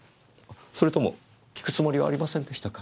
それとも訊くつもりはありませんでしたか？